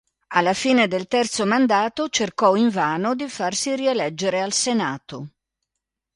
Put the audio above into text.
Alla fine del terzo mandato cercò invano di farsi rieleggere al Senato.